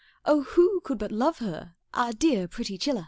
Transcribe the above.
Oh, who could but love her, Our dear pretty 'Chilla!